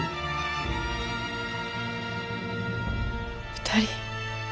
２人。